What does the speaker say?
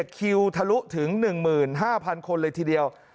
คิวทะลุถึง๑๕๐๐คนเลยทีเดียว